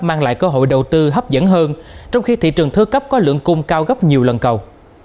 mang lại cơ hội đầu tư hấp dẫn hơn trong khi thị trường thứ cấp có lượng cung cao gấp nhiều lần cầu